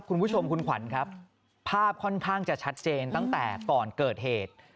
คุณผู้ชมคุณขวัญครับภาพค่อนข้างจะชัดเจนตั้งแต่ก่อนเกิดเหตุ